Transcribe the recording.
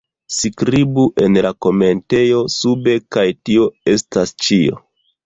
Skribu en la komentejo sube kaj tio estas ĉio